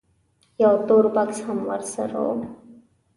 یو تور بکس هم ورسره و.